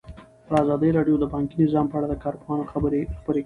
ازادي راډیو د بانکي نظام په اړه د کارپوهانو خبرې خپرې کړي.